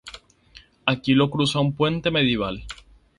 Aquí lo cruza un puente medieval.